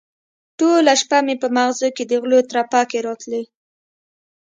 ټوله شپه مې په مغزو کې د غلو ترپکې راتلې.